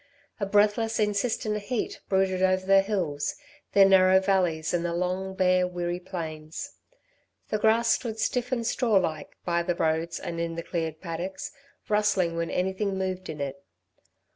A breathless, insistent heat brooded over the hills, their narrow valleys and the long, bare Wirree plains. The grass stood stiff and straw like by the roads and in the cleared paddocks, rustling when anything moved in it.